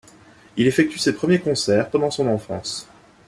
Il effectue ses premiers concerts pendant son enfance.